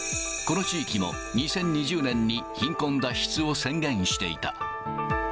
この地域も２０２０年に、貧困脱出を宣言していた。